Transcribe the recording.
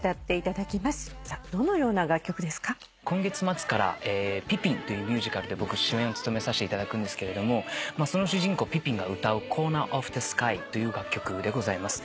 今月末から『ピピン』というミュージカルで僕主演を務めさせていただくんですけれどもその主人公ピピンが歌う『ＣｏｒｎｅｒｏｆｔｈｅＳｋｙ』という楽曲でございます。